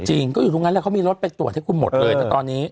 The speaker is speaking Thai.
จริงก็อยู่ตรงนั้นแล้วเขามีรถไปตรวจให้คุณหมดเลยนะตอนนี้